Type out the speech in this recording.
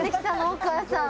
お母さん。